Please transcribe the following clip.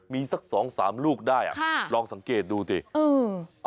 มีสักสองสามลูกได้อ่ะค่ะลองสังเกตดูสิอืม